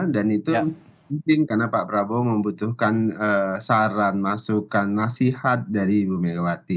dan itu penting karena pak prabowo membutuhkan saran masukan nasihat dari ibu megawati